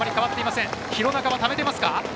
廣中ためていますか？